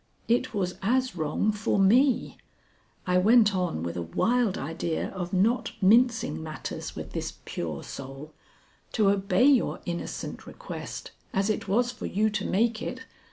It was as wrong for me," I went on with a wild idea of not mincing matters with this pure soul, "to obey your innocent request, as it was for you to make it.